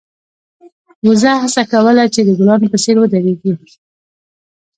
وزه هڅه کوله چې د ګلانو په څېر ودرېږي.